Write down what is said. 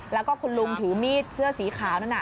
แล้วก็คุณลุงถือมีดเสื้อสีขาวนั่นน่ะ